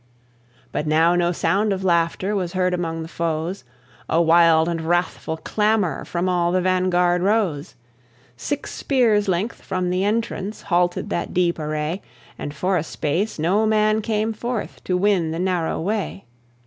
But now no sound of laughter Was heard among the foes. A wild and wrathful clamour From all the vanguard rose. Six spears' length from the entrance Halted that deep array, And for a space no man came forth To win the narrow way.